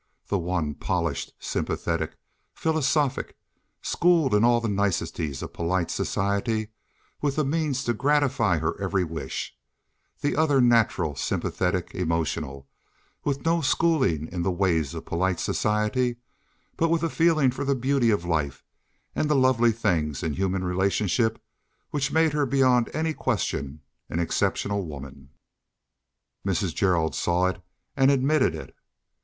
The one polished, sympathetic, philosophic—schooled in all the niceties of polite society, and with the means to gratify her every wish; the other natural, sympathetic, emotional, with no schooling in the ways of polite society, but with a feeling for the beauty of life and the lovely things in human relationship which made her beyond any question an exceptional woman. Mrs. Gerald saw it and admitted it.